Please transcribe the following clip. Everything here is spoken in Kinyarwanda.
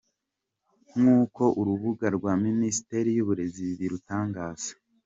Nk’uko urubuga rwa Minisiteri y’Uburezi rubitangaza.